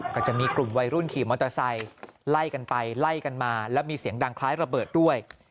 ก็จะมีกลุ่มวัยรุ่นขี่มอเตอร์ไซค์ไล่กันไปไล่กันมาแล้วมีเสียงดังคล้ายระเบิดด้วย